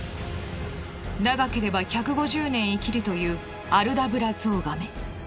長ければ１５０年生きるというアルダブラゾウガメ。